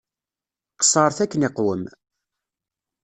Qeṣṣṛet akken iqwem.